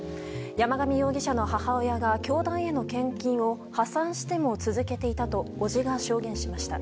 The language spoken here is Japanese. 山上容疑者の母親が教団への献金を破産しても続けていたと伯父が証言しました。